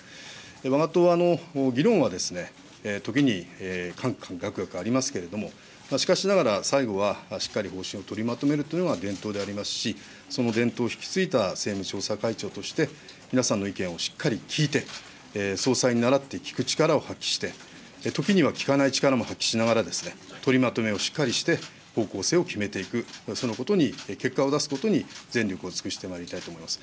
わが党は議論はときに、かんかんがくがくありますけれども、しかしながら、最後はしっかり方針を取りまとめるというのが伝統でありますし、その伝統を引き継いだ政務調査会長として、皆さんの意見をしっかり聞いて、総裁にならって、聞く力を発揮して、時には聞かない力も発揮しながら、取りまとめをしっかりして、方向性を決めていく、そのことに、結果を出すことに、全力を尽くしてまいりたいと思います。